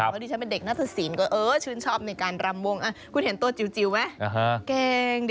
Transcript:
เพราะดิฉันเป็นเด็กนาฏศีลก็ชื่นชอบในการรำวงคุณเห็นตัวจิ๋วไหม